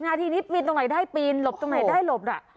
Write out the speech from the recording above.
นาทีนี้ปีนตรงไหนได้ปีนหลบตรงไหนได้หลบ